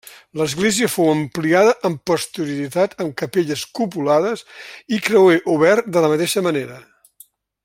L'església fou ampliada amb posterioritat amb capelles cupulades i creuer obert de la mateixa manera.